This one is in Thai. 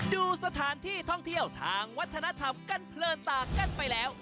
ดูสถานที่ท่องเที่ยวทางวัฒนธรรมกันเพลินตากันไปแล้ว